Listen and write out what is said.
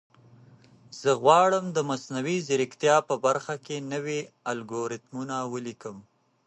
زه غواړم د مصنوعي ځیرکتیا په برخه کې نوي الګوریتمونه ولیکم.